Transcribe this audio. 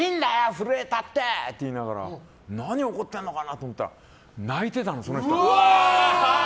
震えたって！って言いながら何怒ってるのかなと思ったら泣いてたの、その人が。